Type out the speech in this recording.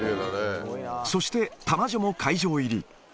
そして玉女も会場入り。